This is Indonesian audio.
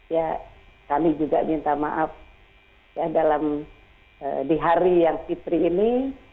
ya kami juga minta maaf ya dalam di hari yang fitri ini